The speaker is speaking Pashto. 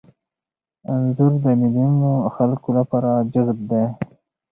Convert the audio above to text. انځور د میلیونونو خلکو لپاره جذاب دی.